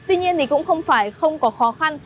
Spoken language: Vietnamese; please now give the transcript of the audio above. tuy nhiên thì cũng không phải không có khó khăn